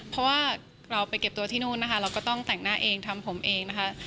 เพราะว่าเราไปเก็บตัวที่นู่นนะคะเราก็ต้องแต่งหน้าเองทำผมเองนะคะ